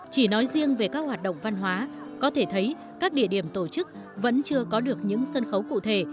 chỉ nói riêng về các hoạt động văn hóa có thể thấy các địa điểm tổ chức vẫn chưa có được những sân khấu cụ thể